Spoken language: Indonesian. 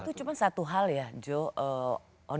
itu cuma satu hal ya joe